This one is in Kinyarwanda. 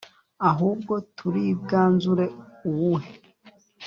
Ahubwo turibwanzure uwuhe?